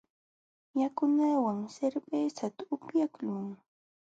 Yakunaywanmi cervezata upyaqlun.